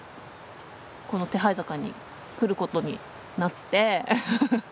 この手這坂に来ることになって。